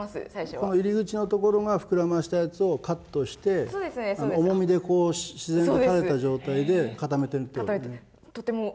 この入り口の所が膨らましたやつをカットして重みでこう自然と垂れた状態で固めてるってことですね。